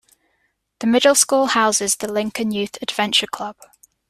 The middle school houses the Lincoln Youth Adventure Club.